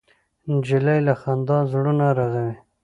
نجلۍ له خندا زړونه رغوي.